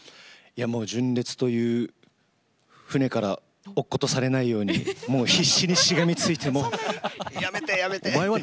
純烈という船から落っことされないように必死に、しがみついてやめて、やめて！